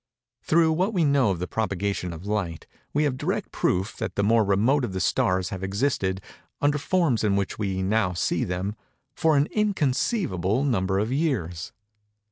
Through what we know of the propagation of light, we have direct proof that the more remote of the stars have existed, under the forms in which we now see them, for an inconceivable number of years.